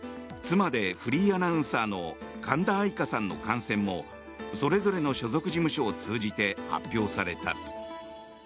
妻でフリーアナウンサーの神田愛花さんの感染もそれぞれの所属事務所を通じて発表された。